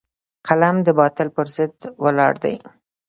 قلم د باطل پر ضد ولاړ دی